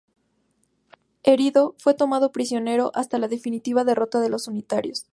Herido, fue tomado prisionero hasta la definitiva derrota de los unitarios.